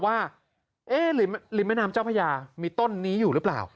เจ้าพระยาว่าเอ๊ะลิมแม่น้ำเจ้าพระยามีต้นนี้อยู่หรือเปล่า